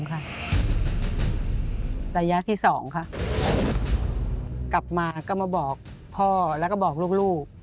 กลับมาก็มาบอกพ่อแล้วก็บอกลูก